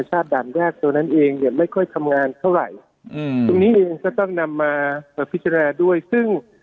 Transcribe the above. ด่านแรกตัวนั้นเองเนี่ยไม่ค่อยทำงานเท่าไหร่อืมตรงนี้เองก็ต้องนำมาพิจารณาด้วยซึ่ง